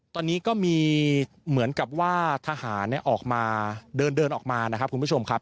ตอนนี้ก็มีเหมือนกับว่าทหารออกมาเดินออกมานะครับคุณผู้ชมครับ